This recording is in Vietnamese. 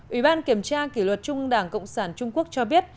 ủy ban kiểm tra kỷ luật trung ương đảng cộng sản trung quốc cho biết